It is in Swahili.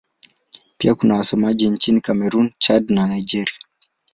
Pia kuna wasemaji nchini Kamerun, Chad na Nigeria.